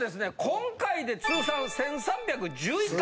今回で通算１３１１回。